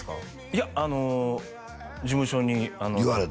いやあの事務所に言われて？